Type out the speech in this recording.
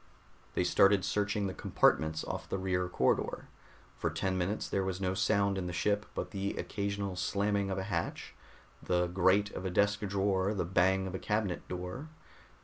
They started searching the compartments off the rear corridor. For ten minutes there was no sound in the ship but the occasional slamming of a hatch, the grate of a desk drawer, the bang of a cabinet door.